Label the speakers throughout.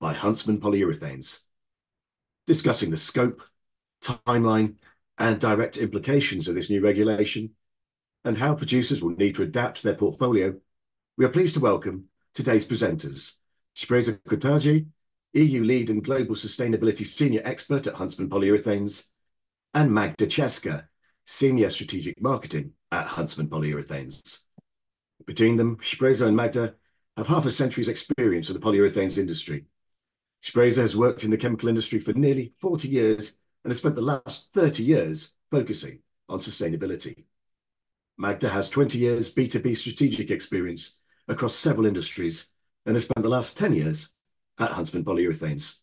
Speaker 1: by Huntsman Polyurethanes. Discussing the scope, timeline, and direct implications of this new regulation, and how producers will need to adapt their portfolio, we are pleased to welcome today's presenters, Shpresa Krtari, EU Lead and Global Sustainability Senior Expert at Huntsman Polyurethanes, and Magda Ceska, Senior Strategic Marketing at Huntsman Polyurethanes. Between them, Shpresa and Magda have half a century's experience in the polyurethanes industry. Shpresa has worked in the chemical industry for nearly 40 years and has spent the last 30 years focusing on sustainability. Magda has 20 years B2B strategic experience across several industries and has spent the last ten years at Huntsman Polyurethanes.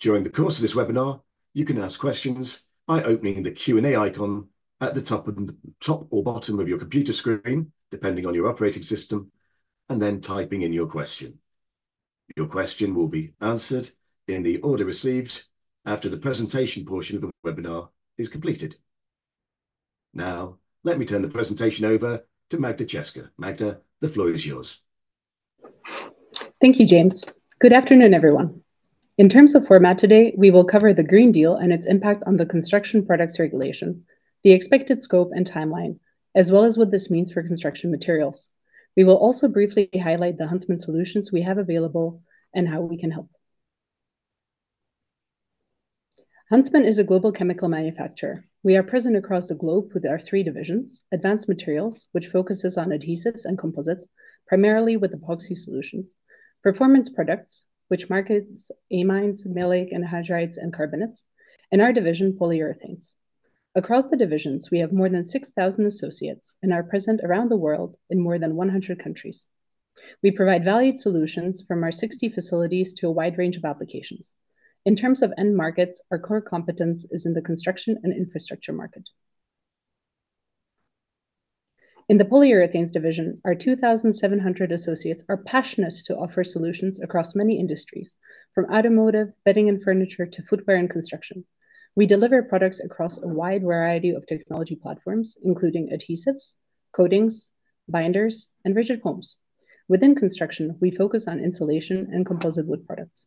Speaker 1: During the course of this webinar, you can ask questions by opening the Q&A icon at the top or bottom of your computer screen, depending on your operating system, and then typing in your question. Your question will be answered in the order received after the presentation portion of the webinar is completed. Now, let me turn the presentation over to Magda Ceska. Magda, the floor is yours.
Speaker 2: Thank you, James. Good afternoon, everyone. In terms of format today, we will cover the Green Deal and its impact on the Construction Products Regulation, the expected scope and timeline, as well as what this means for construction materials. We will also briefly highlight the Huntsman solutions we have available and how we can help. Huntsman is a global chemical manufacturer. We are present across the globe with our three divisions: Advanced Materials, which focuses on adhesives and composites, primarily with epoxy solutions, Performance Products, which markets amines, maleic anhydrides, and carbonates, and our division, Polyurethanes. Across the divisions, we have more than six thousand associates and are present around the world in more than one hundred countries. We provide valued solutions from our sixty facilities to a wide range of applications. In terms of end markets, our core competence is in the construction and infrastructure market. In the Polyurethanes division, our 2,700 associates are passionate to offer solutions across many industries, from automotive, bedding and furniture, to footwear and construction. We deliver products across a wide variety of technology platforms, including adhesives, coatings, binders, and rigid foams. Within construction, we focus on insulation and composite wood products.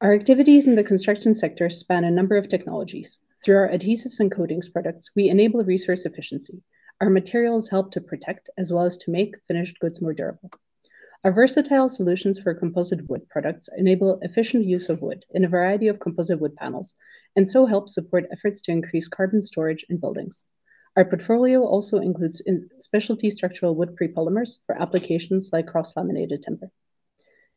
Speaker 2: Our activities in the construction sector span a number of technologies. Through our adhesives and coatings products, we enable resource efficiency. Our materials help to protect as well as to make finished goods more durable. Our versatile solutions for composite wood products enable efficient use of wood in a variety of composite wood panels, and so help support efforts to increase carbon storage in buildings. Our portfolio also includes specialty structural wood prepolymers for applications like cross-laminated timber.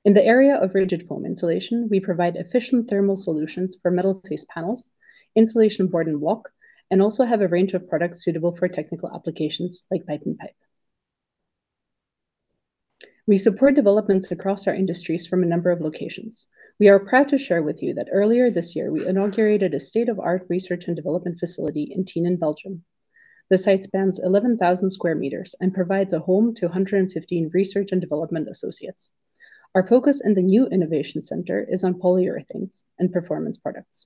Speaker 2: In the area of rigid foam insulation, we provide efficient thermal solutions for metal-faced panels, insulation boards and walk-on, and also have a range of products suitable for technical applications like pipes and tanks. We support developments across our industries from a number of locations. We are proud to share with you that earlier this year, we inaugurated a state-of-the-art research and development facility in Tienen, Belgium. The site spans 11,000 sq m and provides a home to 115 research and development associates. Our focus in the new innovation center is on polyurethanes and performance products.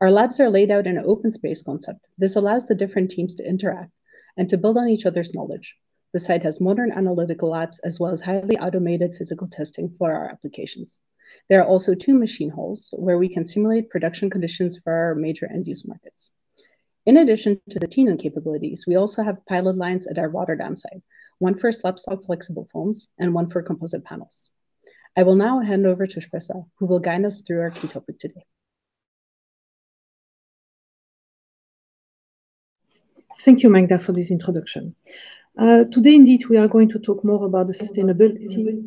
Speaker 2: Our labs are laid out in an open space concept. This allows the different teams to interact and to build on each other's knowledge. The site has modern analytical labs, as well as highly automated physical testing for our applications. There are also two machine halls where we can simulate production conditions for our major end-use markets. In addition to the Tienen capabilities, we also have pilot lines at our Rotterdam site, one for slabstock flexible foams and one for composite panels. I will now hand over to Shpresa, who will guide us through our key topic today.
Speaker 3: Thank you, Magda, for this introduction. Today, indeed, we are going to talk more about the sustainability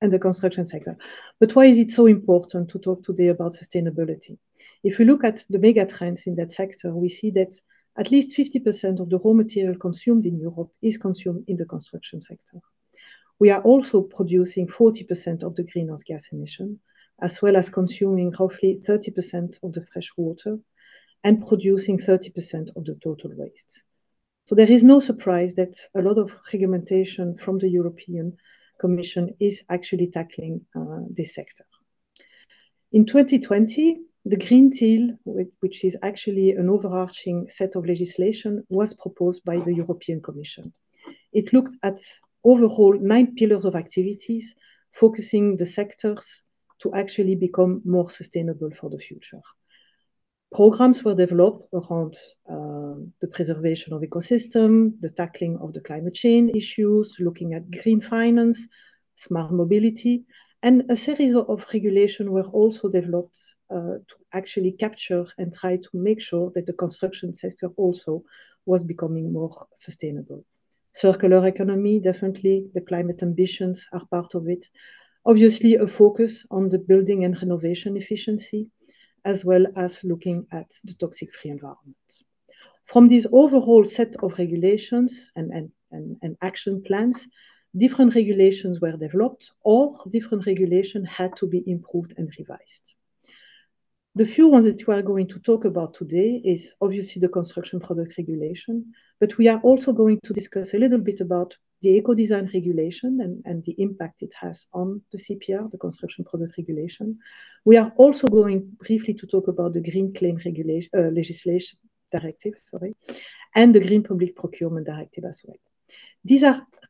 Speaker 3: and the construction sector. But why is it so important to talk today about sustainability? If you look at the mega trends in that sector, we see that at least 50% of the raw material consumed in Europe is consumed in the construction sector. We are also producing 40% of the greenhouse gas emission, as well as consuming roughly 30% of the fresh water and producing 30% of the total waste. So there is no surprise that a lot of legislation from the European Commission is actually tackling this sector. In 2020, the Green Deal, which is actually an overarching set of legislation, was proposed by the European Commission. It looked at overall nine pillars of activities, focusing the sectors to actually become more sustainable for the future. Programs were developed around the preservation of ecosystem, the tackling of the climate change issues, looking at green finance, smart mobility, and a series of regulation were also developed to actually capture and try to make sure that the construction sector also was becoming more sustainable. Circular economy, definitely, the climate ambitions are part of it. Obviously, a focus on the building and renovation efficiency, as well as looking at the toxic-free environment. From this overall set of regulations and action plans, different regulations were developed, or different regulation had to be improved and revised. The few ones that we are going to talk about today is obviously the Construction Products Regulation, but we are also going to discuss a little bit about the Ecodesign Regulation and the impact it has on the CPR, the Construction Products Regulation. We are also going briefly to talk about the Green Claims Directive, sorry, and the Green Public Procurement Directive as well. These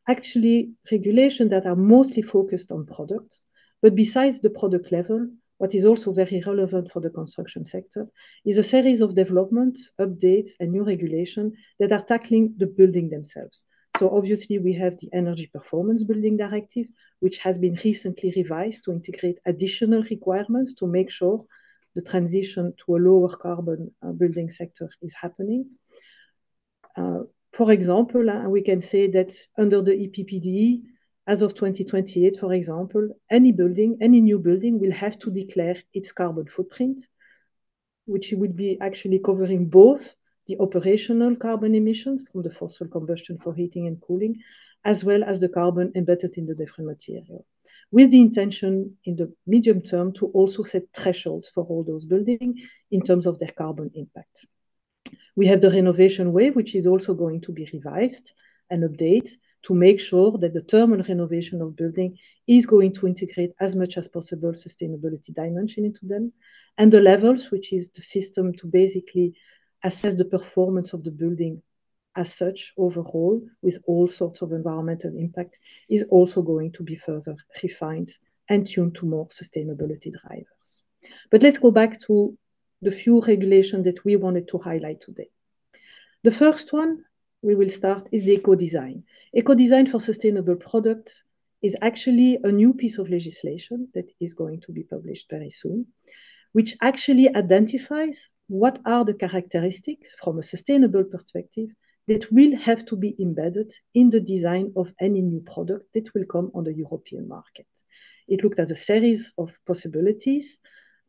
Speaker 3: are actually regulations that are mostly focused on products, but besides the product level, what is also very relevant for the construction sector is a series of developments, updates, and new regulation that are tackling the building themselves. So obviously, we have the Energy Performance of Buildings Directive, which has been recently revised to integrate additional requirements to make sure the transition to a lower carbon building sector is happening. For example, we can say that under the EPBD, as of 2028, for example, any building, any new building will have to declare its carbon footprint, which would be actually covering both the operational carbon emissions from the fossil combustion for heating and cooling, as well as the carbon embedded in the different material. With the intention, in the medium term, to also set thresholds for all those building in terms of their carbon impact. We have the Renovation Wave, which is also going to be revised and updated to make sure that the term renovation of building is going to integrate as much as possible sustainability dimension into them, and the Level(s), which is the system to basically assess the performance of the building as such, overall, with all sorts of environmental impact, is also going to be further refined and tuned to more sustainability drivers. But let's go back to the few regulations that we wanted to highlight today. The first one we will start is the Ecodesign. Ecodesign for sustainable products is actually a new piece of legislation that is going to be published very soon, which actually identifies what are the characteristics from a sustainable perspective that will have to be embedded in the design of any new product that will come on the European market. It looks like a series of possibilities,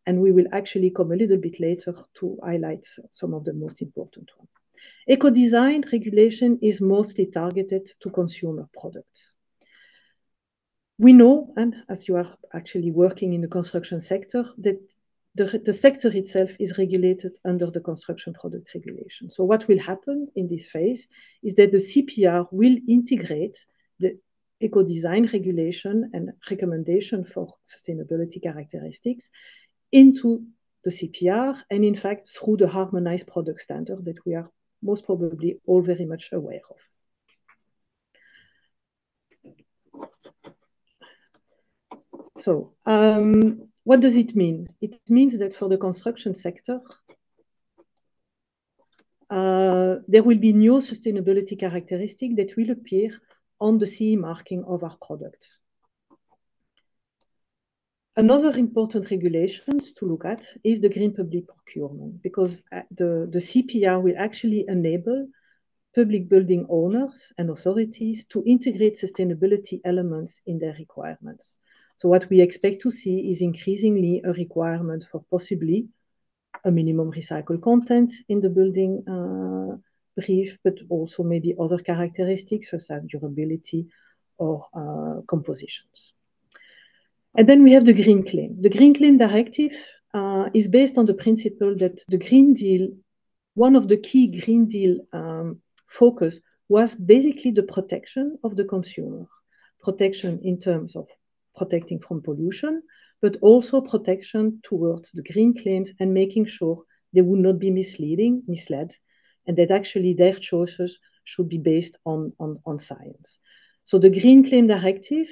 Speaker 3: and we will actually come a little bit later to highlight some of the most important one. Ecodesign regulation is mostly targeted to consumer products. We know, and as you are actually working in the construction sector, that the sector itself is regulated under the Construction Products Regulation. What will happen in this phase is that the CPR will integrate the Ecodesign regulation and recommendation for sustainability characteristics into the CPR, and in fact, through the harmonized product standard that we are most probably all very much aware of. What does it mean? It means that for the construction sector, there will be new sustainability characteristic that will appear on the CE marking of our products. Another important regulations to look at is the Green Public Procurement, because the CPR will actually enable public building owners and authorities to integrate sustainability elements in their requirements. What we expect to see is increasingly a requirement for possibly a minimum recycled content in the building brief, but also maybe other characteristics for sound durability or compositions. Then we have the Green Claims. The Green Claims Directive is based on the principle that the Green Deal, one of the key Green Deal focus was basically the protection of the consumer. Protection in terms of protecting from pollution, but also protection towards the green claims and making sure they will not be misleading, misled, and that actually their choices should be based on science. So the Green Claims Directive,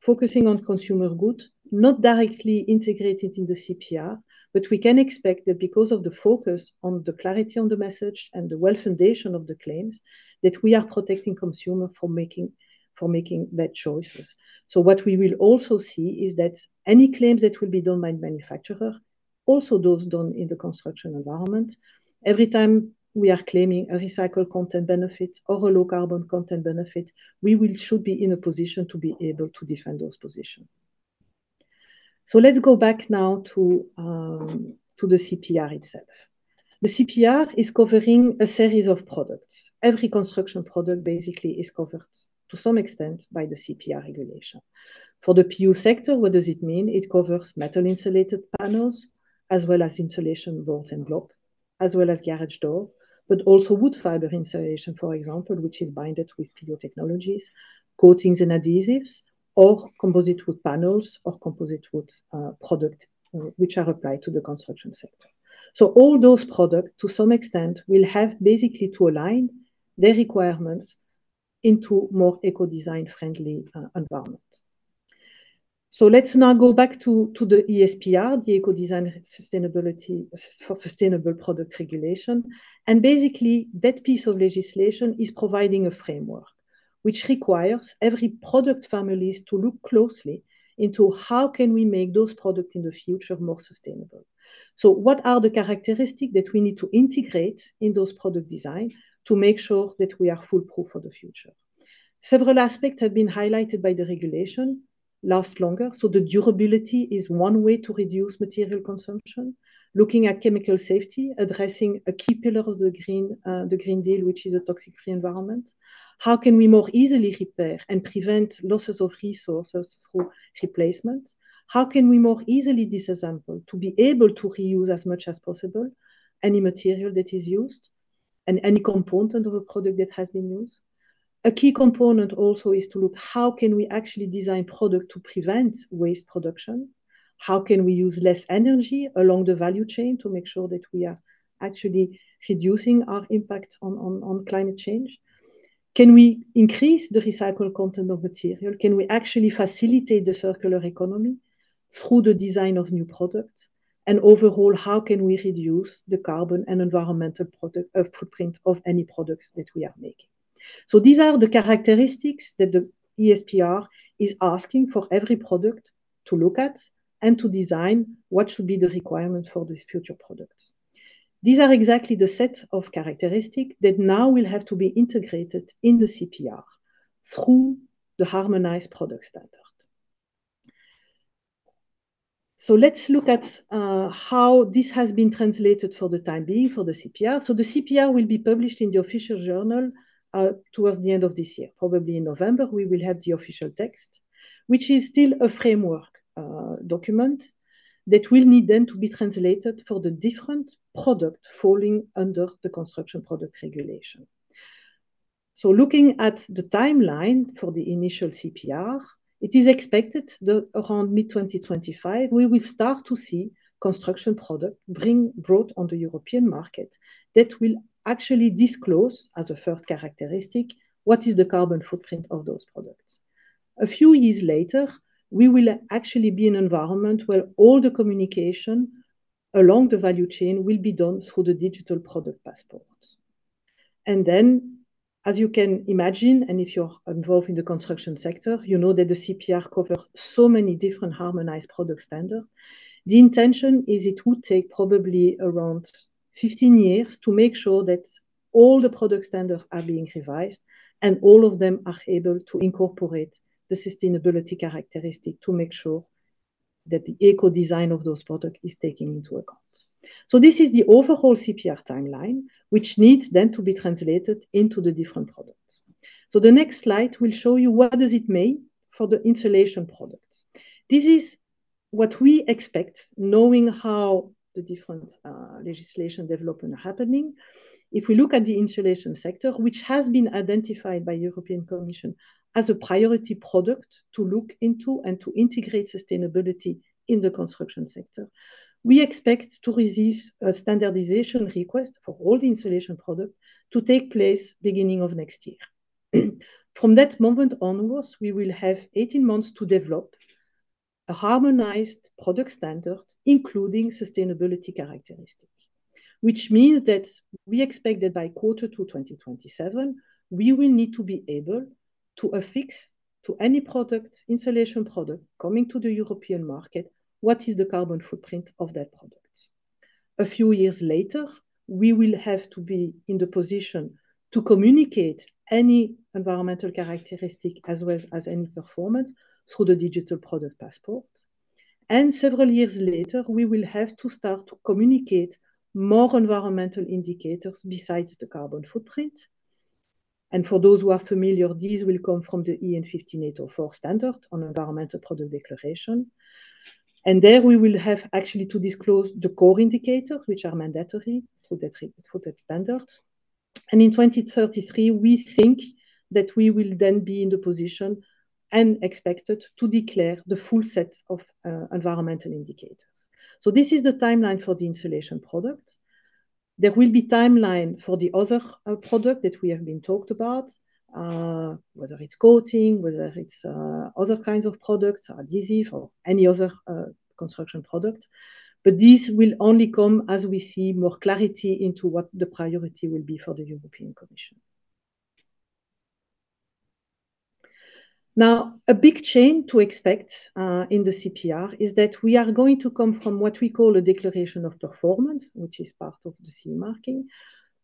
Speaker 3: focusing on consumer goods, not directly integrated in the CPR, but we can expect that because of the focus on the clarity on the message and the well foundation of the claims, that we are protecting consumer from making bad choices. So what we will also see is that any claims that will be done by manufacturer, also those done in the construction environment, every time we are claiming a recycled content benefit or a low carbon content benefit, we will should be in a position to be able to defend those position. So let's go back now to the CPR itself. The CPR is covering a series of products. Every construction product basically is covered to some extent by the CPR regulation. For the PU sector, what does it mean? It covers metal insulated panels, as well as insulation boards and block, as well as garage door, but also wood fiber insulation, for example, which is binded with PU technologies, coatings and adhesives, or composite wood panels, or composite wood product, which are applied to the construction sector. So all those products, to some extent, will have basically to align their requirements into more Ecodesign-friendly environment. So let's now go back to the ESPR, the Ecodesign for Sustainable Products Regulation. And basically, that piece of legislation is providing a framework which requires every product families to look closely into how can we make those products in the future more sustainable. So what are the characteristics that we need to integrate in those product design to make sure that we are foolproof for the future? Several aspects have been highlighted by the regulation: last longer, so the durability is one way to reduce material consumption. Looking at chemical safety, addressing a key pillar of the green, the Green Deal, which is a toxic-free environment. How can we more easily repair and prevent losses of resources through replacement? How can we more easily disassemble to be able to reuse as much as possible any material that is used?... and any component of a product that has been used. A key component also is to look how can we actually design product to prevent waste production? How can we use less energy along the value chain to make sure that we are actually reducing our impact on climate change? Can we increase the recycled content of material? Can we actually facilitate the circular economy through the design of new products and overall, how can we reduce the carbon and environmental product footprint of any products that we are making? So these are the characteristics that the ESPR is asking for every product to look at and to design what should be the requirement for these future products. These are exactly the set of characteristics that now will have to be integrated in the CPR through the harmonized product standard. So let's look at how this has been translated for the time being for the CPR. So the CPR will be published in the official journal towards the end of this year. Probably in November, we will have the official text, which is still a framework document that will need then to be translated for the different product falling under the Construction Products Regulation. So looking at the timeline for the initial CPR, it is expected that around mid-2025, we will start to see construction product being brought on the European market that will actually disclose, as a first characteristic, what is the carbon footprint of those products. A few years later, we will actually be in an environment where all the communication along the value chain will be done through the digital product passports. And then, as you can imagine, and if you're involved in the construction sector, you know that the CPR cover so many different harmonized product standard. The intention is it would take probably around 15 years to make sure that all the product standards are being revised, and all of them are able to incorporate the sustainability characteristic to make sure that the eco design of those product is taken into account. So this is the overall CPR timeline, which needs then to be translated into the different products. So the next slide will show you what does it mean for the insulation products. This is what we expect, knowing how the different legislation development are happening. If we look at the insulation sector, which has been identified by the European Commission as a priority product to look into and to integrate sustainability in the construction sector, we expect to receive a standardization request for all the insulation product to take place beginning of next year. From that moment onwards, we will have eighteen months to develop a harmonized product standard, including sustainability characteristics. Which means that we expect that by quarter two 2027, we will need to be able to affix to any product, insulation product, coming to the European market, what is the carbon footprint of that product. A few years later, we will have to be in the position to communicate any environmental characteristic as well as any performance through the Digital Product Passport, and several years later, we will have to start to communicate more environmental indicators besides the carbon footprint. For those who are familiar, these will come from the EN 15804 standard on environmental product declaration. There we will have actually to disclose the core indicators, which are mandatory, so that for that standard. In 2033, we think that we will then be in the position and expected to declare the full set of environmental indicators. This is the timeline for the insulation product. There will be timeline for the other product that we have been talked about, whether it's coating, whether it's other kinds of products, adhesive or any other construction product. But this will only come as we see more clarity into what the priority will be for the European Commission. Now, a big change to expect in the CPR is that we are going to come from what we call a declaration of performance, which is part of the CE marking,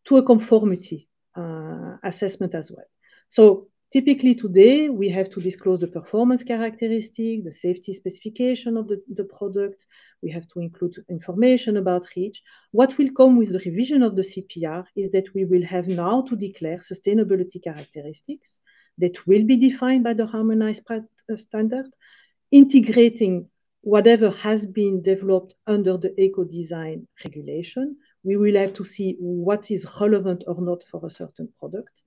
Speaker 3: to a conformity assessment as well. So typically today, we have to disclose the performance characteristic, the safety specification of the product. We have to include information about each. What will come with the revision of the CPR is that we will have now to declare sustainability characteristics that will be defined by the harmonized standard, integrating whatever has been developed under the Ecodesign Regulation. We will have to see what is relevant or not for a certain product.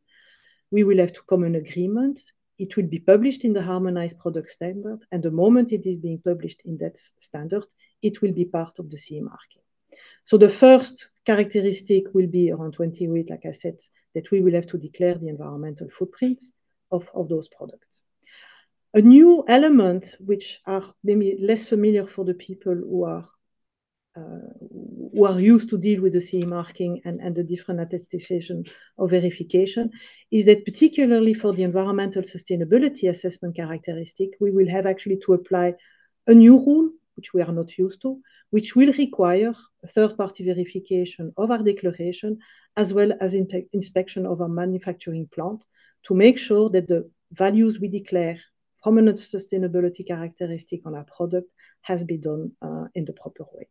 Speaker 3: We will have to come to an agreement. It will be published in the harmonized product standard, and the moment it is being published in that standard, it will be part of the CE marking. The first characteristic will be around 28, like I said, that we will have to declare the environmental footprints of those products. A new element, which are maybe less familiar for the people who are who are used to deal with the CE marking and the different attestation of verification, is that particularly for the environmental sustainability assessment characteristic, we will have actually to apply a new rule, which we are not used to, which will require a third-party verification of our declaration, as well as inspection of our manufacturing plant, to make sure that the values we declare from a sustainability characteristic on our product has been done in the proper way.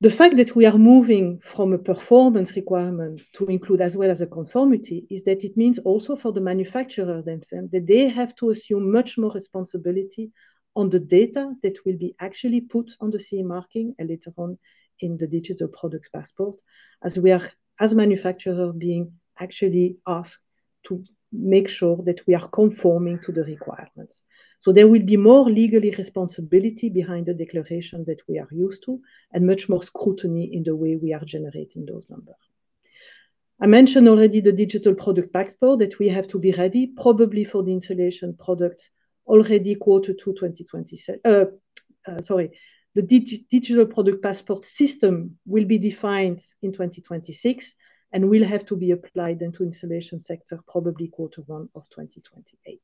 Speaker 3: The fact that we are moving from a performance requirement to include as well as a conformity is that it means also for the manufacturer themselves that they have to assume much more responsibility on the data that will be actually put on the CE marking and later on in the digital product passport. As we are, as manufacturer, being actually asked to make sure that we are conforming to the requirements. So there will be more legal responsibility behind the declaration that we are used to, and much more scrutiny in the way we are generating those numbers. I mentioned already the digital product passport that we have to be ready, probably for the insulation products already quarter two 2026. The digital product passport system will be defined in 2026 and will have to be applied into insulation sector, probably quarter one of 2028.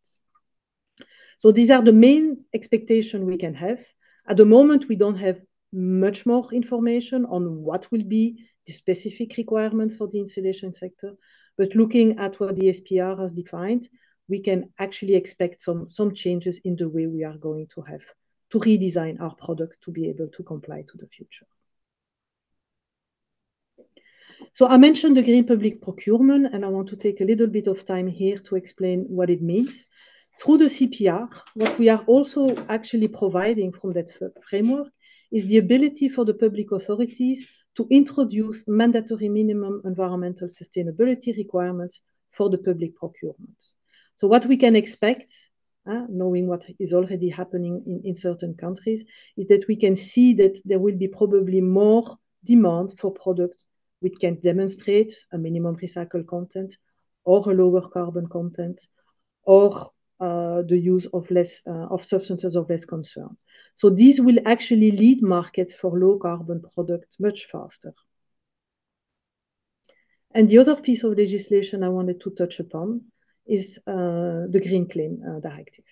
Speaker 3: So these are the main expectation we can have. At the moment, we don't have much more information on what will be the specific requirements for the insulation sector. But looking at what the ESPR has defined, we can actually expect some changes in the way we are going to have to redesign our product to be able to comply to the future. So I mentioned the Green Public Procurement, and I want to take a little bit of time here to explain what it means. Through the CPR, what we are also actually providing from that framework is the ability for the public authorities to introduce mandatory minimum environmental sustainability requirements for the public procurements. So what we can expect, knowing what is already happening in certain countries, is that we can see that there will be probably more demand for products which can demonstrate a minimum recycled content or a lower carbon content or the use of less of substances of less concern. So this will actually lead markets for low-carbon products much faster. And the other piece of legislation I wanted to touch upon is the Green Claims Directive.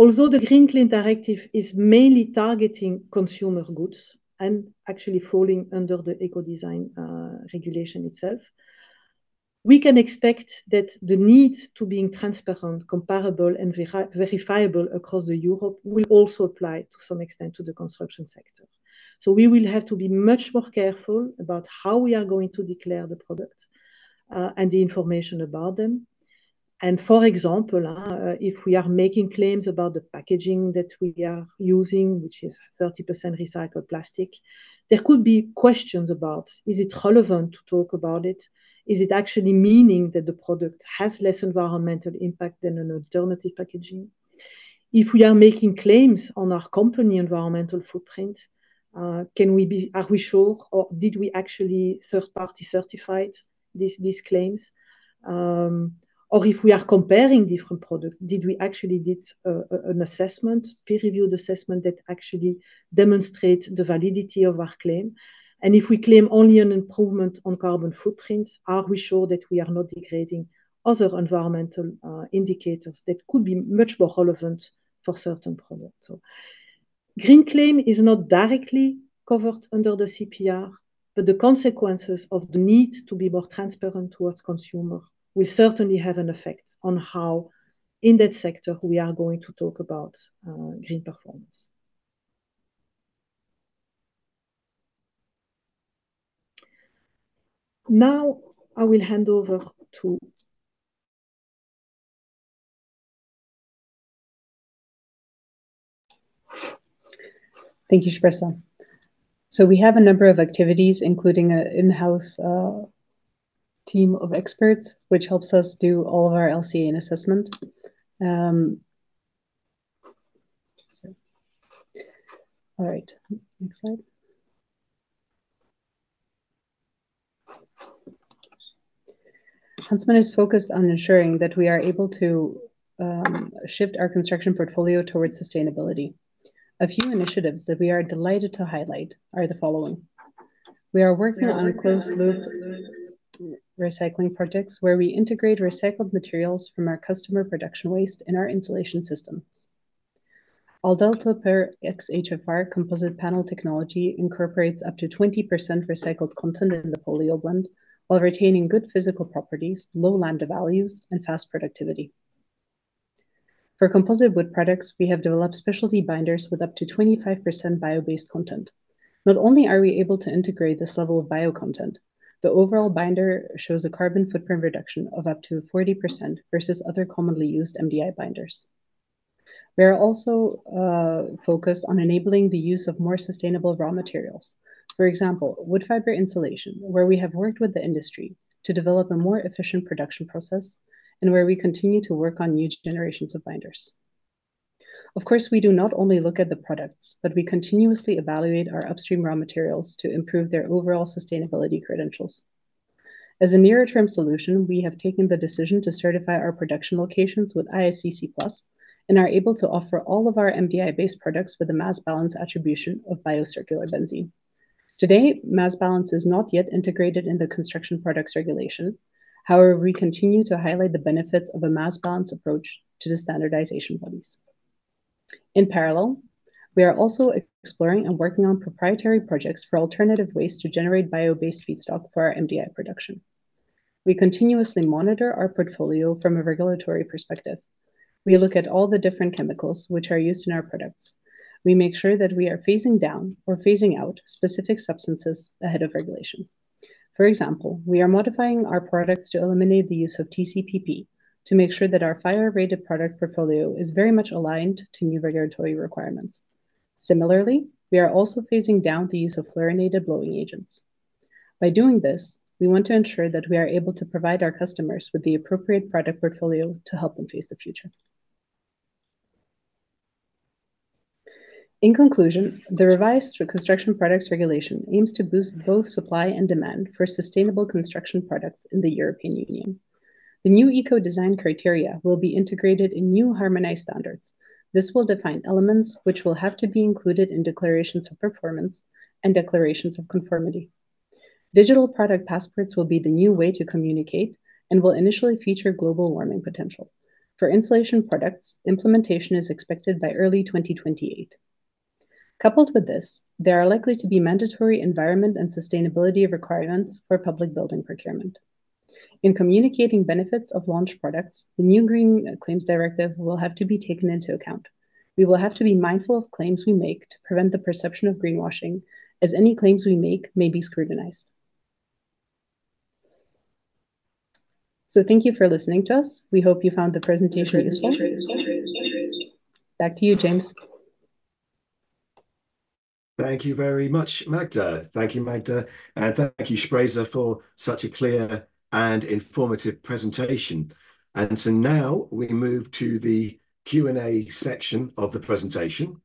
Speaker 3: Although the Green Claims Directive is mainly targeting consumer goods and actually falling under the Ecodesign regulation itself, we can expect that the need to be transparent, comparable, and verifiable across Europe will also apply to some extent to the construction sector. We will have to be much more careful about how we are going to declare the products, and the information about them. For example, if we are making claims about the packaging that we are using, which is 30% recycled plastic, there could be questions about: Is it relevant to talk about it? Is it actually meaning that the product has less environmental impact than an alternative packaging? If we are making claims on our company environmental footprint, can we be sure, or did we actually third-party certified these claims? Or if we are comparing different product, did we actually an assessment, peer-reviewed assessment that actually demonstrate the validity of our claim? And if we claim only an improvement on carbon footprints, are we sure that we are not degrading other environmental indicators that could be much more relevant for certain products? So green claim is not directly covered under the CPR, but the consequences of the need to be more transparent towards consumer will certainly have an effect on how, in that sector, we are going to talk about green performance. Now, I will hand over to-
Speaker 2: Thank you, Shpresa. So we have a number of activities, including an in-house team of experts, which helps us do all of our LCA and assessment. All right, next slide. Huntsman is focused on ensuring that we are able to shift our construction portfolio towards sustainability. A few initiatives that we are delighted to highlight are the following: We are working on a closed-loop recycling projects, where we integrate recycled materials from our customer production waste in our insulation systems. Our DALTOPIRE XHFR composite panel technology incorporates up to 20% recycled content in the polyol blend, while retaining good physical properties, low lambda values, and fast productivity. For composite wood products, we have developed specialty binders with up to 25% bio-based content. Not only are we able to integrate this level of bio content, the overall binder shows a carbon footprint reduction of up to 40% versus other commonly used MDI binders. We are also focused on enabling the use of more sustainable raw materials. For example, wood fiber insulation, where we have worked with the industry to develop a more efficient production process and where we continue to work on new generations of binders. Of course, we do not only look at the products, but we continuously evaluate our upstream raw materials to improve their overall sustainability credentials. As a near-term solution, we have taken the decision to certify our production locations with ISCC PLUS, and are able to offer all of our MDI-based products with a mass balance attribution of bio-circular benzene. Today, mass balance is not yet integrated in the Construction Products Regulation. However, we continue to highlight the benefits of a mass balance approach to the standardization bodies. In parallel, we are also exploring and working on proprietary projects for alternative ways to generate bio-based feedstock for our MDI production. We continuously monitor our portfolio from a regulatory perspective. We look at all the different chemicals which are used in our products. We make sure that we are phasing down or phasing out specific substances ahead of regulation. For example, we are modifying our products to eliminate the use of TCPP, to make sure that our fire-rated product portfolio is very much aligned to new regulatory requirements. Similarly, we are also phasing down the use of fluorinated blowing agents. By doing this, we want to ensure that we are able to provide our customers with the appropriate product portfolio to help them face the future. In conclusion, the revised Construction Products Regulation aims to boost both supply and demand for sustainable construction products in the European Union. The new eco design criteria will be integrated in new harmonized standards. This will define elements which will have to be included in Declarations of Performance and Declarations of Conformity. Digital Product Passports will be the new way to communicate and will initially feature global warming potential. For insulation products, implementation is expected by early 2028. Coupled with this, there are likely to be mandatory environment and sustainability requirements for public building procurement. In communicating benefits of launch products, the new Green Claims Directive will have to be taken into account. We will have to be mindful of claims we make to prevent the perception of greenwashing, as any claims we make may be scrutinized. Thank you for listening to us. We hope you found the presentation useful. Back to you, James.
Speaker 1: Thank you very much, Magda. Thank you, Magda, and thank you, Shpresa, for such a clear and informative presentation. And so now we move to the Q&A section of the presentation.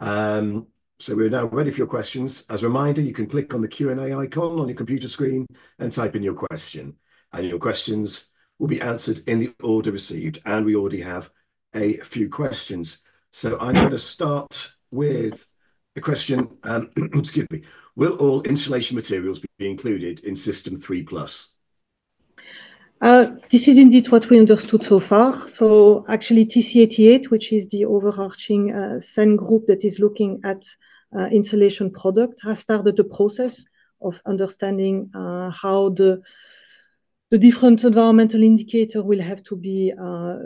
Speaker 1: So we're now ready for your questions. As a reminder, you can click on the Q&A icon on your computer screen and type in your question, and your questions will be answered in the order received, and we already have a few questions. So I'm gonna start with a question, excuse me. Will all insulation materials be included in System 3+?
Speaker 3: This is indeed what we understood so far. So actually, TC 88, which is the overarching same group that is looking at insulation product, has started the process of understanding how the different environmental indicator will have to be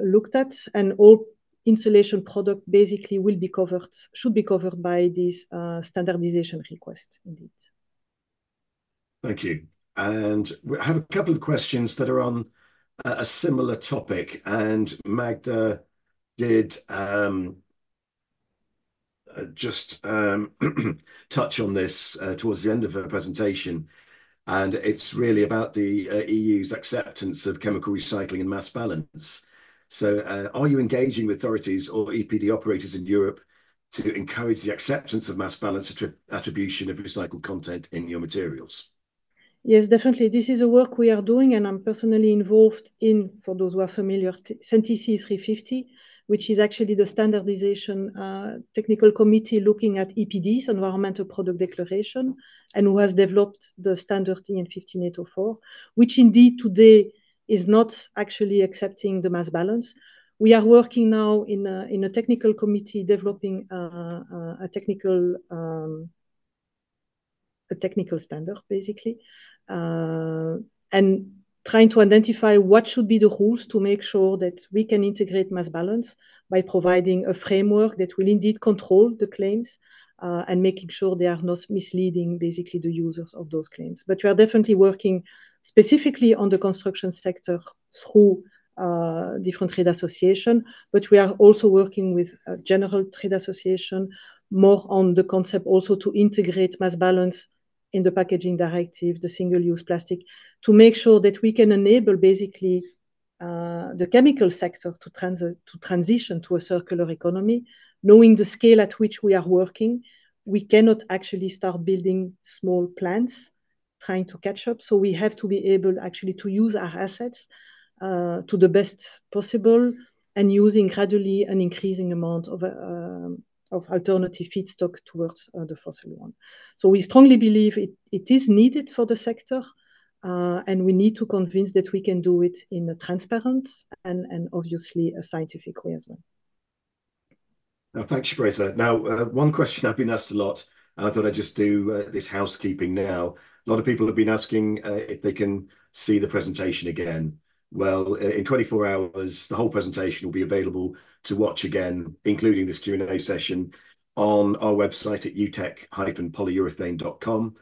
Speaker 3: looked at. And all insulation product basically will be covered, should be covered by this standardization request, indeed.
Speaker 1: Thank you. We have a couple of questions that are on a similar topic, and Magda did just touch on this towards the end of her presentation, and it's really about the EU's acceptance of chemical recycling and mass balance. Are you engaging with authorities or EPD operators in Europe to encourage the acceptance of mass balance attribution of recycled content in your materials?
Speaker 3: Yes, definitely. This is the work we are doing, and I'm personally involved in, for those who are familiar, CEN/TC 350, which is actually the standardization technical committee looking at EPDs, environmental product declaration, and who has developed the standard EN 15804, which indeed today is not actually accepting the mass balance. We are working now in a technical committee, developing a technical standard, basically, and trying to identify what should be the rules to make sure that we can integrate mass balance by providing a framework that will indeed control the claims, and making sure they are not misleading, basically, the users of those claims. But we are definitely working specifically on the construction sector through different trade association, but we are also working with a general trade association, more on the concept also to integrate mass balance in the packaging directive, the single-use plastic, to make sure that we can enable, basically, the chemical sector to transition to a circular economy. Knowing the scale at which we are working, we cannot actually start building small plants trying to catch up, so we have to be able actually to use our assets to the best possible and using gradually an increasing amount of alternative feedstock towards the fossil one. So we strongly believe it is needed for the sector, and we need to convince that we can do it in a transparent and obviously, a scientific way as well.
Speaker 1: Now, thanks, Shpresa. Now, one question I've been asked a lot, and I thought I'd just do this housekeeping now. A lot of people have been asking if they can see the presentation again. Well, in 24 hours, the whole presentation will be available to watch again, including this Q&A session on our website at utech-polyurethanes.com,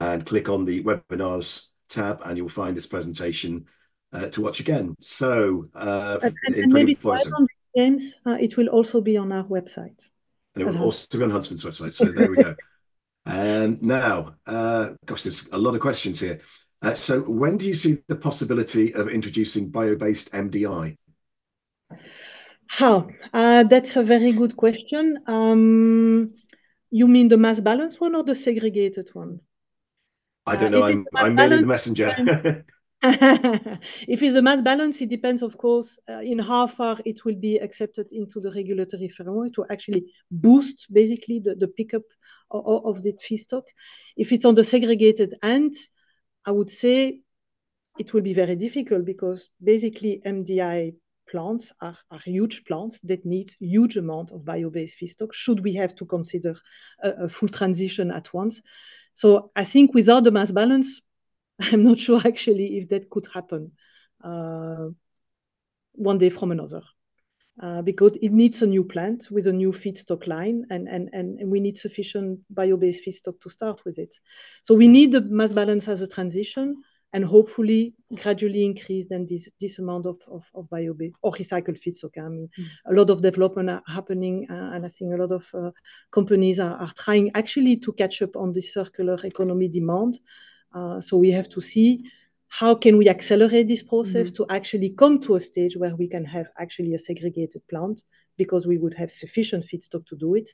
Speaker 1: and click on the webinars tab, and you'll find this presentation to watch again. So, maybe-
Speaker 3: Maybe further, James, it will also be on our website.
Speaker 1: It will also be on Huntsman's website. So there we go. And now, gosh, there's a lot of questions here. So when do you see the possibility of introducing bio-based MDI?
Speaker 3: Ah, that's a very good question. You mean the mass balance one or the segregated one?
Speaker 1: I don't know.
Speaker 3: If it's mass balance-
Speaker 1: I'm merely the messenger.
Speaker 3: If it's the mass balance, it depends, of course, in how far it will be accepted into the regulatory framework to actually boost, basically, the pickup of the feedstock. If it's on the segregated end, I would say it will be very difficult because basically, MDI plants are huge plants that need huge amount of bio-based feedstock, should we have to consider a full transition at once. So I think without the mass balance, I'm not sure actually if that could happen one day from another, because it needs a new plant with a new feedstock line, and we need sufficient bio-based feedstock to start with it. So we need the mass balance as a transition, and hopefully gradually increase then this amount of bio-based or recycled feedstock. I mean, a lot of development are happening, and I think a lot of companies are trying actually to catch up on the circular economy demand, so we have to see how can we accelerate this process to actually come to a stage where we can have actually a segregated plant, because we would have sufficient feedstock to do it,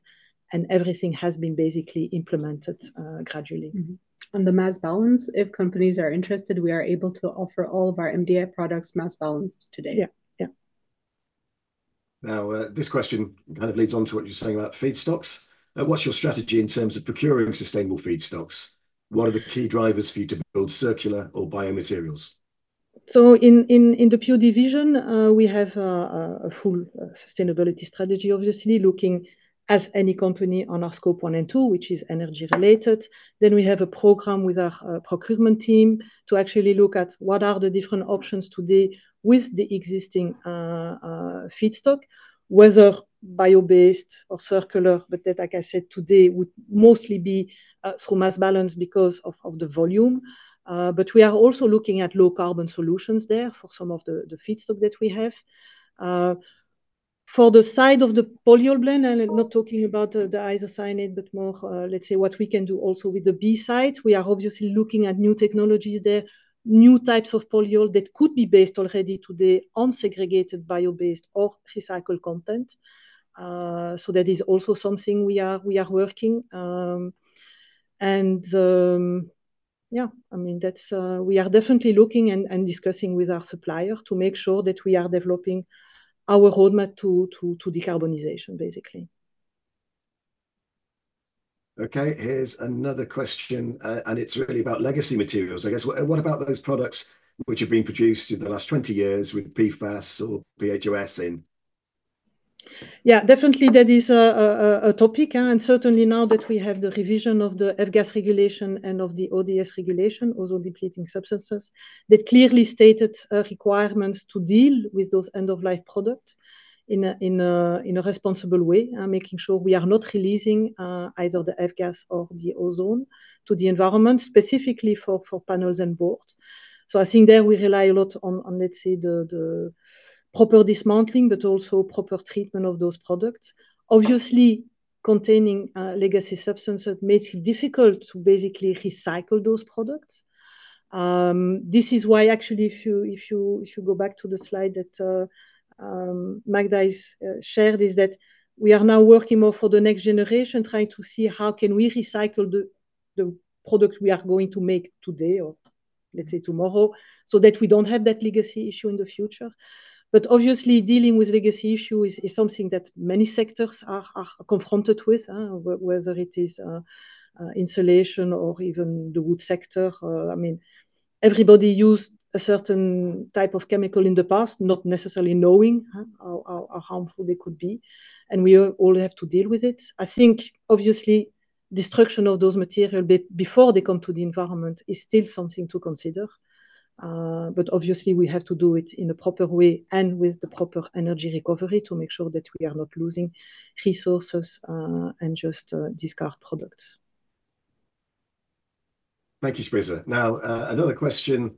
Speaker 3: and everything has been basically implemented gradually.
Speaker 2: And the mass balance, if companies are interested, we are able to offer all of our MDI products mass balanced today.
Speaker 3: Yeah.
Speaker 1: Now, this question kind of leads on to what you were saying about feedstocks. What's your strategy in terms of procuring sustainable feedstocks? What are the key drivers for you to build circular or bio materials?
Speaker 3: So in the Polyurethanes division, we have a full sustainability strategy, obviously, looking, as any company, at our Scope 1 and 2, which is energy related. Then we have a program with our procurement team to actually look at what are the different options today with the existing feedstock, whether bio-based or circular. But that, like I said, today would mostly be through mass balance because of the volume. But we are also looking at low carbon solutions there for some of the feedstock that we have. For the side of the polyol blend, and I'm not talking about the isocyanate, but more, let's say, what we can do also with the B sides. We are obviously looking at new technologies there, new types of polyol that could be based already today on segregated bio-based or recycled content. So that is also something we are working. Yeah, I mean, we are definitely looking and discussing with our supplier to make sure that we are developing our roadmap to decarbonization, basically.
Speaker 1: Okay, here's another question, and it's really about legacy materials, I guess. What about those products which have been produced in the last 20 years with PFAS or BFRs in?
Speaker 3: Yeah, definitely that is a topic, and certainly now that we have the revision of the F-gas regulation and of the ODS regulation, ozone depleting substances, that clearly stated requirements to deal with those end-of-life product in a responsible way, making sure we are not releasing either the F-gas or the ozone to the environment, specifically for panels and boards. So I think there we rely a lot on, let's say, the proper dismantling, but also proper treatment of those products. Obviously, containing legacy substances makes it difficult to basically recycle those products. This is why actually, if you go back to the slide that Magda has shared, is that we are now working more for the next generation, trying to see how can we recycle the product we are going to make today or, let's say, tomorrow, so that we don't have that legacy issue in the future. But obviously, dealing with legacy issue is something that many sectors are confronted with, whether it is insulation or even the wood sector. I mean, everybody used a certain type of chemical in the past, not necessarily knowing how harmful they could be, and we all have to deal with it. I think, obviously, destruction of those material before they come to the environment is still something to consider. But obviously, we have to do it in a proper way and with the proper energy recovery to make sure that we are not losing resources, and just discard products.
Speaker 1: Thank you, Shpresa. Now, another question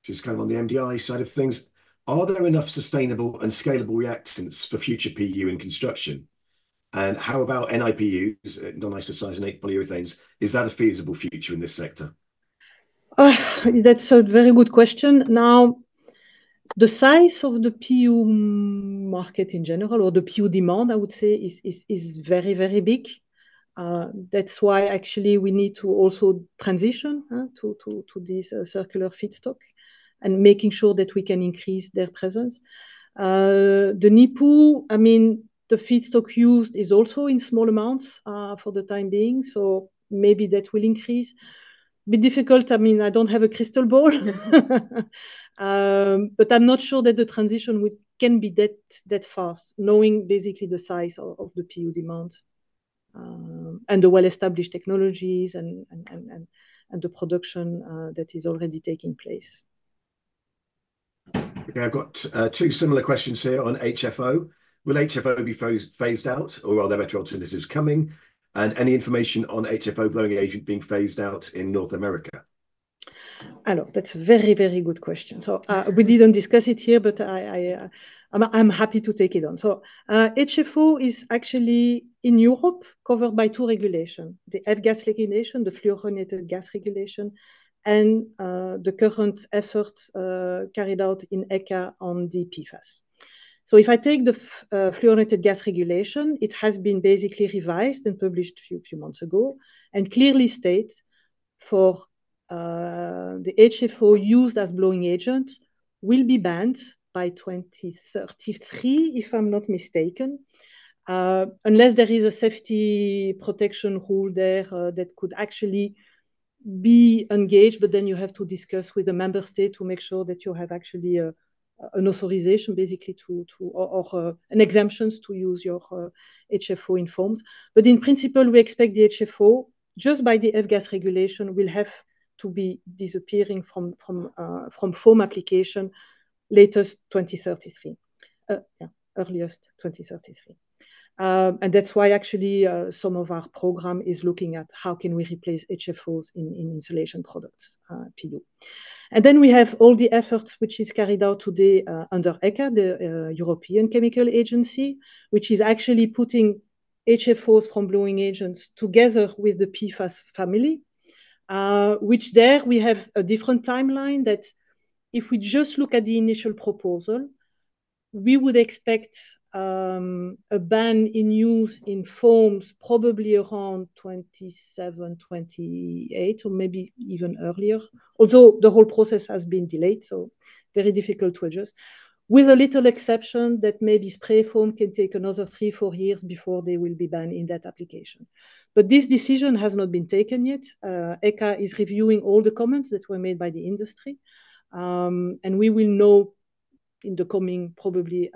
Speaker 1: which is kind of on the MDI side of things: Are there enough sustainable and scalable reactants for future PU in construction? And how about NIPUs, non-isocyanate polyurethanes, is that a feasible future in this sector?
Speaker 3: That's a very good question. Now, the size of the PU market in general, or the PU demand, I would say, is very, very big. That's why actually we need to also transition to this circular feedstock and making sure that we can increase their presence. The NIPU, I mean, the feedstock used is also in small amounts for the time being, so maybe that will increase. It would be difficult, I mean, I don't have a crystal ball. But I'm not sure that the transition can be that fast, knowing basically the size of the PU demand, and the well-established technologies and the production that is already taking place.
Speaker 1: Okay, I've got two similar questions here on HFO. Will HFO be phased out, or are there better alternatives coming? And any information on HFO blowing agent being phased out in North America?
Speaker 3: I know, that's a very, very good question. We didn't discuss it here, but I'm happy to take it on. HFO is actually in Europe covered by two regulation: the F-gas Regulation, the fluorinated gas regulation, and the current effort carried out in ECHA on the PFAS. If I take the fluorinated gas regulation, it has been basically revised and published a few months ago, and clearly state for the HFO used as blowing agent will be banned by 2033, if I'm not mistaken, unless there is a safety protection rule there that could actually be engaged, but then you have to discuss with the Member State to make sure that you have actually an authorization, basically to or an exemptions to use your HFO in foams. But in principle, we expect the HFO, just by the F-gas regulation, will have to be disappearing from foam application latest 2033. Yeah, earliest 2033. And that's why actually, some of our program is looking at how can we replace HFOs in insulation products, PU. And then we have all the efforts which is carried out today under ECHA, the European Chemicals Agency, which is actually putting HFOs from blowing agents together with the PFAS family. Which there we have a different timeline that if we just look at the initial proposal, we would expect a ban in use in foams probably around 2027, 2028 or maybe even earlier. Although, the whole process has been delayed, so very difficult to adjust. With a little exception that maybe spray foam can take another three, four years before they will be banned in that application. But this decision has not been taken yet. ECHA is reviewing all the comments that were made by the industry. And we will know in the coming probably,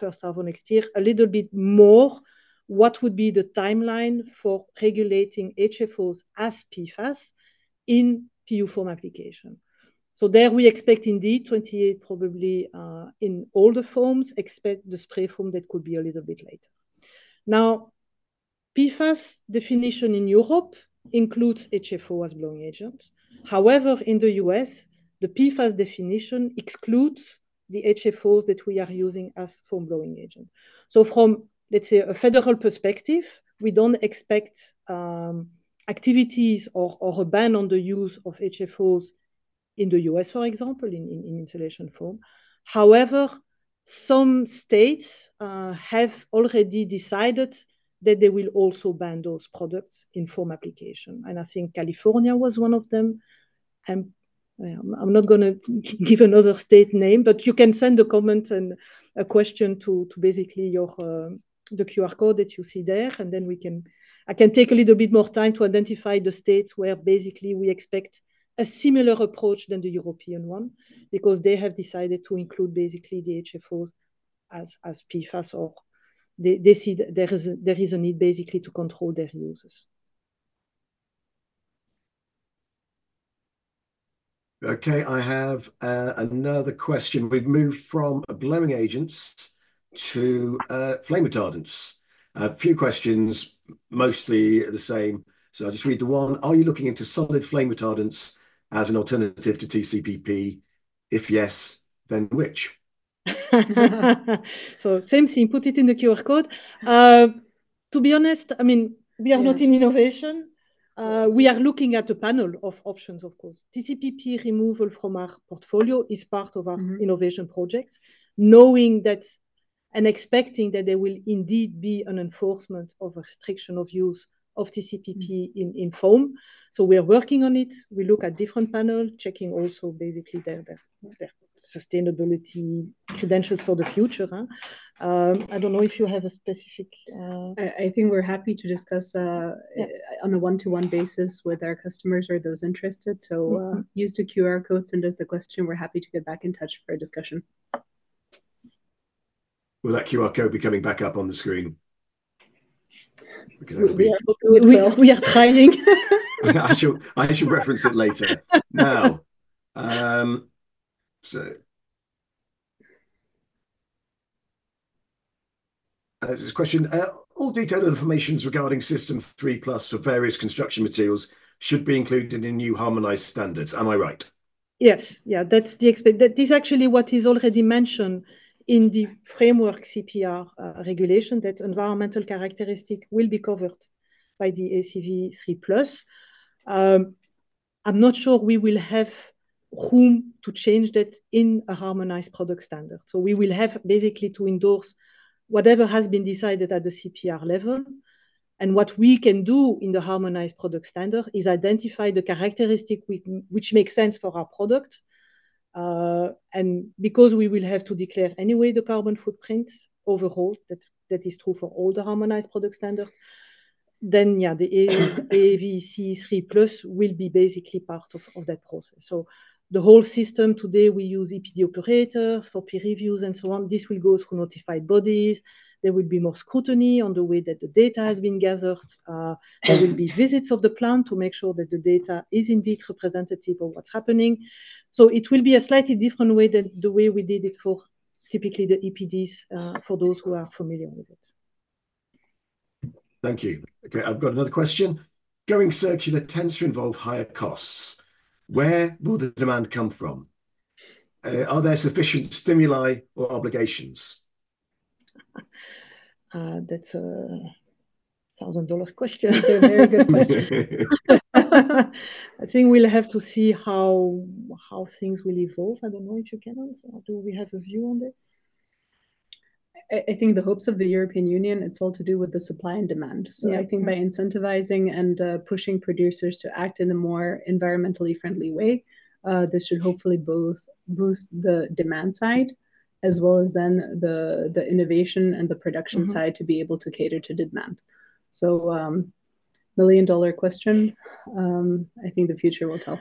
Speaker 3: first half of next year, a little bit more, what would be the timeline for regulating HFOs as PFAS in PU foam application? So there we expect indeed, 2028 probably, in all the foams. Except the spray foam, that could be a little bit later. Now, PFAS definition in Europe includes HFO as blowing agents. However, in the U.S., the PFAS definition excludes the HFOs that we are using as foam blowing agent. From, let's say, a federal perspective, we don't expect activities or a ban on the use of HFOs in the U.S., for example, in insulation foam. However, some states have already decided that they will also ban those products in foam application, and I think California was one of them. I'm not gonna give another state name, but you can send a comment and a question to basically the QR code that you see there, and then I can take a little bit more time to identify the states where basically we expect a similar approach than the European one, because they have decided to include basically the HFOs as PFAS or they see there is a need basically to control their uses.
Speaker 1: Okay, I have another question. We've moved from blowing agents to flame retardants. A few questions, mostly the same. So I'll just read the one: Are you looking into solid flame retardants as an alternative to TCPP? If yes, then which?
Speaker 3: So same thing, put it in the QR code. To be honest, I mean, we are not in innovation. We are looking at a panel of options, of course. TCPP removal from our portfolio is part of our innovation projects, knowing that and expecting that there will indeed be an enforcement of restriction of use of TCPP in foam. So we are working on it. We look at different panel, checking also basically their sustainability credentials for the future. I don't know if you have a specific,
Speaker 2: I think we're happy to discuss on a one-to-one basis with our customers or those interested. Use the QR code, send us the question. We're happy to get back in touch for a discussion.
Speaker 1: Will that QR code be coming back up on the screen? Because we-
Speaker 3: We are trying.
Speaker 1: I shall reference it later. Now, so, this question. All detailed information regarding System 3+ for various construction materials should be included in new harmonized standards. Am I right?
Speaker 3: Yes. Yeah, that's... That is actually what is already mentioned in the framework CPR regulation, that environmental characteristic will be covered by the AVCP 3+. I'm not sure we will have room to change that in a harmonized product standard. So we will have basically to endorse whatever has been decided at the CPR level. And what we can do in the harmonized product standard is identify the characteristic which makes sense for our product. And because we will have to declare anyway the carbon footprints overall, that is true for all the harmonized product standard, then, yeah, the AVCP 3+ will be basically part of that process. So the whole system today, we use EPD operators for peer reviews and so on. This will go through notified bodies. There will be more scrutiny on the way that the data has been gathered. There will be visits of the plant to make sure that the data is indeed representative of what's happening. So it will be a slightly different way than the way we did it for typically the EPDs, for those who are familiar with it.
Speaker 1: Thank you. Okay, I've got another question. Going circular tends to involve higher costs. Where will the demand come from? Are there sufficient stimuli or obligations?
Speaker 3: That's a $1,000 question. It's a very good question. I think we'll have to see how things will evolve. I don't know if you can answer or do we have a view on this?
Speaker 2: I think the hopes of the European Union, it's all to do with the supply and demand. I think by incentivizing and pushing producers to act in a more environmentally friendly way, this should hopefully both boost the demand side as well as then the innovation and the production side to be able to cater to demand. So, million-dollar question, I think the future will tell.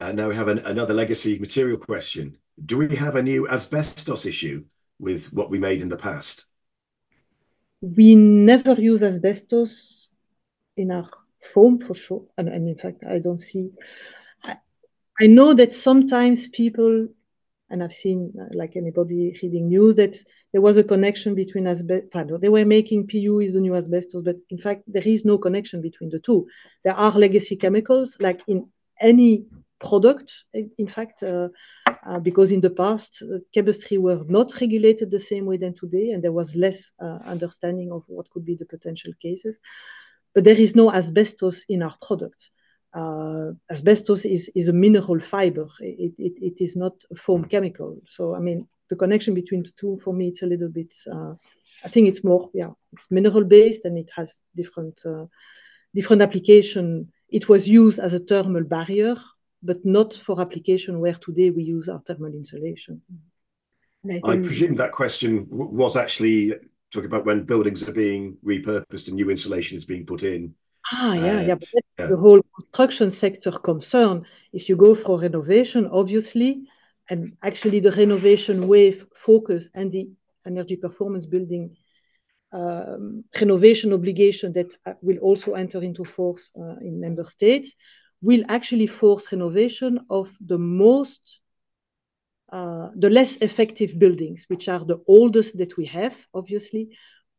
Speaker 1: And now we have another legacy material question: Do we have a new asbestos issue with what we made in the past?
Speaker 3: We never use asbestos in our foam, for sure, and in fact, I know that sometimes people, and I've seen, like, anybody reading news, that there was a connection between asbestos, they were making PU with the new asbestos, but in fact, there is no connection between the two. There are legacy chemicals, like in any product, in fact, because in the past, chemistry were not regulated the same way than today, and there was less understanding of what could be the potential cases, but there is no asbestos in our product. Asbestos is a mineral fiber. It is not a foam chemical. So, I mean, the connection between the two, for me, it's a little bit. I think it's more, yeah, it's mineral-based, and it has different application. It was used as a thermal barrier, but not for application where today we use our thermal insulation. And I think-
Speaker 1: I presume that question was actually talking about when buildings are being repurposed and new insulation is being put in.
Speaker 3: Ah, yeah.
Speaker 1: Yeah.
Speaker 3: The whole construction sector concern, if you go for renovation, obviously, and actually the Renovation Wave focus and the energy performance building renovation obligation that will also enter into force in member states, will actually force renovation of the most the less effective buildings, which are the oldest that we have, obviously,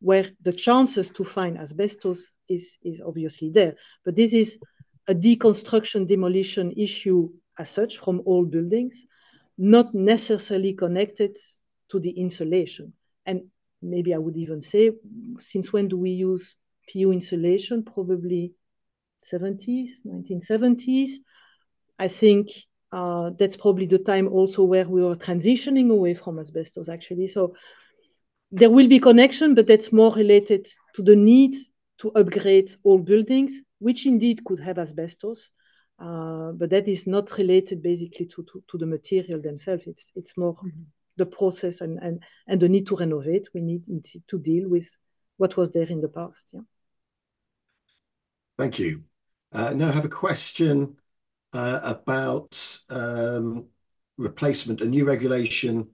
Speaker 3: where the chances to find asbestos is obviously there, but this is a deconstruction demolition issue as such from old buildings, not necessarily connected to the insulation, and maybe I would even say, since when do we use PU insulation? Probably 1970s, 1970s. I think that's probably the time also where we were transitioning away from asbestos, actually so there will be connection, but that's more related to the need to upgrade old buildings, which indeed could have asbestos, but that is not related basically to the material themselves. It's more the process and the need to renovate. We need indeed to deal with what was there in the past. Yeah.
Speaker 1: Thank you. Now I have a question about replacement, a new regulation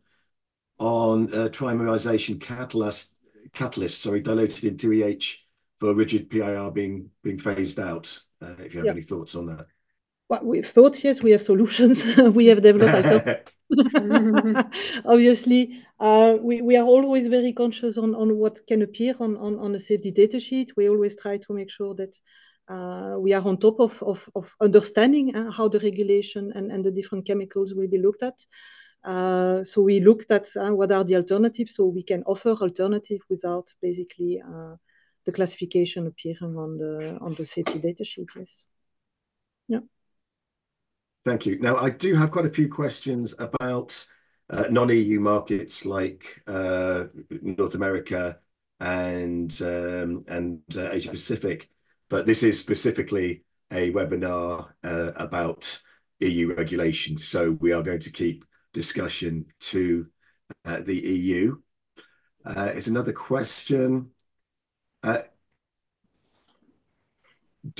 Speaker 1: on trimerization catalyst, sorry, diluted into EH for rigid PIR being phased out.
Speaker 3: Yeah
Speaker 1: If you have any thoughts on that.
Speaker 3: We have thoughts, yes, we have solutions we have developed. Obviously, we are always very conscious of what can appear on a safety data sheet. We always try to make sure that we are on top of understanding how the regulation and the different chemicals will be looked at. So we looked at what are the alternatives, so we can offer alternative without basically the classification appearing on the safety data sheet. Yes. Yeah.
Speaker 1: Thank you. Now, I do have quite a few questions about non-EU markets, like North America and Asia Pacific, but this is specifically a webinar about EU regulations, so we are going to keep discussion to the EU. Here's another question: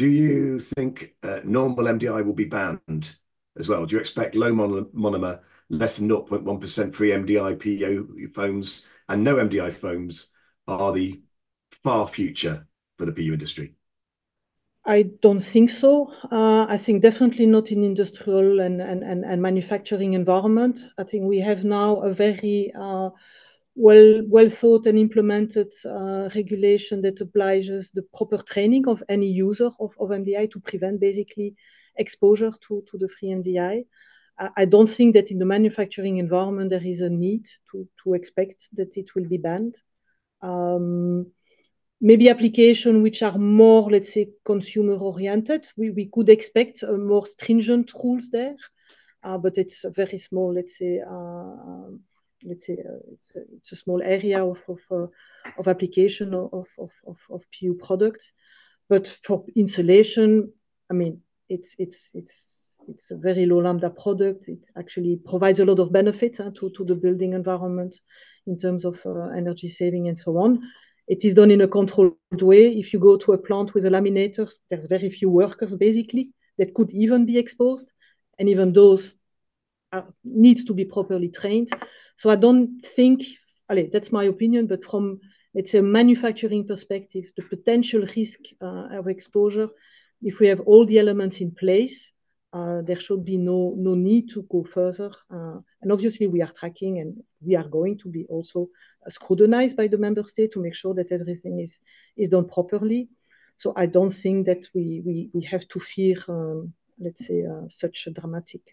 Speaker 1: Do you think normal MDI will be banned as well? Do you expect low monomer, less than 0.1% free MDI PU foams, and no MDI foams are the far future for the PU industry?
Speaker 3: I don't think so. I think definitely not in industrial and manufacturing environment. I think we have now a very well-thought and implemented regulation that obliges the proper training of any user of MDI to prevent, basically, exposure to the free MDI. I don't think that in the manufacturing environment there is a need to expect that it will be banned. Maybe application which are more, let's say, consumer-oriented, we could expect more stringent rules there. But it's very small, let's say, it's a small area of application of PU products. But for insulation, I mean, it's a very low lambda product. It actually provides a lot of benefit to the building environment in terms of energy saving and so on. It is done in a controlled way. If you go to a plant with a laminator, there's very few workers, basically, that could even be exposed, and even those needs to be properly trained. So I don't think that's my opinion, but from, let's say, a manufacturing perspective, the potential risk of exposure, if we have all the elements in place, there should be no need to go further. And obviously, we are tracking, and we are going to be also scrutinized by the member state to make sure that everything is done properly. So I don't think that we have to fear, let's say, such a dramatic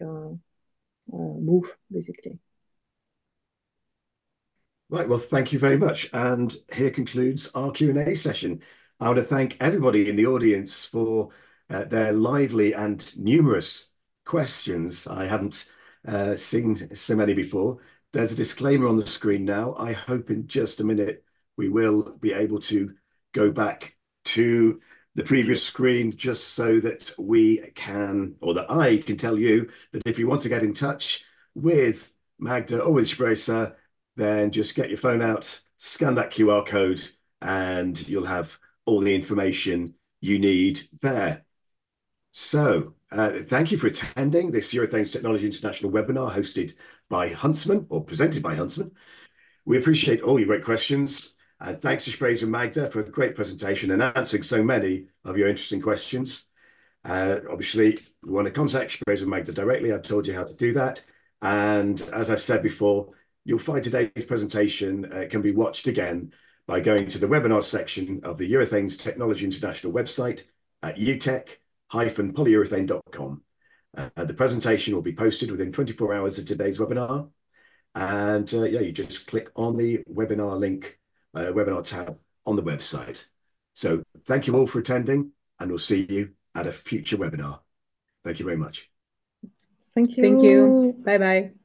Speaker 3: move, basically.
Speaker 1: Right. Well, thank you very much, and here concludes our Q&A session. I want to thank everybody in the audience for their lively and numerous questions. I hadn't seen so many before. There's a disclaimer on the screen now. I hope in just a minute we will be able to go back to the previous screen just so that we can, or that I can tell you that if you want to get in touch with Magda or with Shpresa, then just get your phone out, scan that QR code, and you'll have all the information you need there. So, thank you for attending this Urethanes Technology International webinar, hosted by Huntsman, or presented by Huntsman. We appreciate all your great questions. Thanks to Shpresa and Magda for a great presentation and answering so many of your interesting questions. Obviously, if you want to contact Shpresa and Magda directly, I've told you how to do that. And as I've said before, you'll find today's presentation can be watched again by going to the Webinars section of the Urethanes Technology International website at utech-polyurethane.com. The presentation will be posted within 24 hours of today's webinar. And, yeah, you just click on the webinar link, Webinars tab on the website. So thank you all for attending, and we'll see you at a future webinar. Thank you very much.
Speaker 3: Thank you.
Speaker 2: Thank you. Bye-bye.